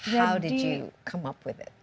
bagaimana kamu menemukannya